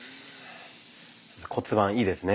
骨盤いいですね。